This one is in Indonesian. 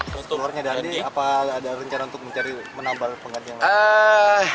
setelahnya dandi apa ada rencana untuk menambal pengganti